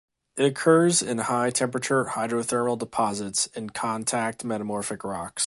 It occurs in high temperature hydrothermal deposits and contact metamorphic rocks.